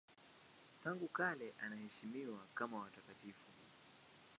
Tangu kale anaheshimiwa kama watakatifu.